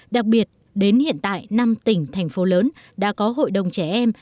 đặc biệt đến hiện tại năm tỉnh thành phố lớn đã có hội đồng trẻ em